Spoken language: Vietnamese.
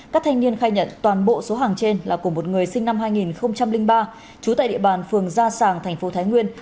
các thanh niên khai nhận toàn bộ số hàng trên là của một người sinh năm hai nghìn ba trú tại địa bàn phường gia sàng thành phố thái nguyên